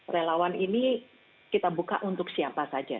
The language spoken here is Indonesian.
relawan ini kita buka untuk siapa saja